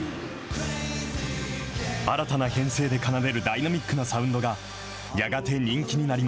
新たな編成で奏でるダイナミックなサウンドが、やがて人気になり